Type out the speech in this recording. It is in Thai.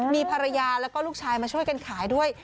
มีภรรยาแล้วก็ลูกชายมาช่วยกันขายด้วย